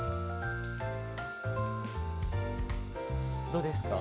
どうですか？